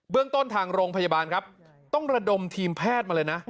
เรื่องต้นทางโรงพยาบาลครับต้องระดมทีมแพทย์มาเลยนะ